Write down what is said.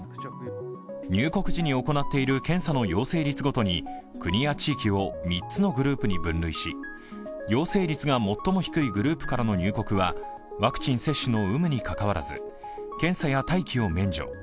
入国時に行っている検査の陽性率ごとに国や地域を３つのグループに分類し陽性率が最も低いグループからの入国はワクチン接種の有無にかかわらず、検査や待機を免除。